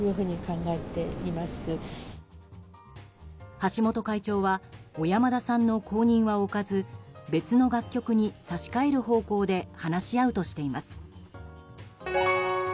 橋本会長は小山田さんの後任は置かず別の楽曲に差し替える方向で話し合うとしています。